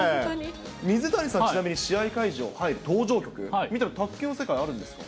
水谷さん、ちなみに試合会場、登場曲、卓球の世界、あるんですか？